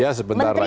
ya sebentar lagi